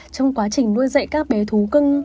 trong quá trình nuôi dạy các bé thú cưng